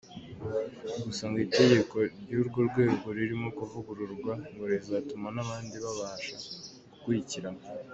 Gusa, ngo itegeko ry’urwo rwego ririmo kuvugururwa ngo rizatuma n’abandi babasha gukurikiranwa.